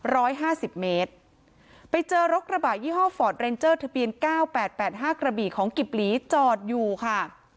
ร้อยห้าสิบเมตรไปเจอรถกระบะยี่ห้อฟอร์ดเรนเจอร์ทะเบียนเก้าแปดแปดห้ากระบี่ของกิบหลีจอดอยู่ค่ะ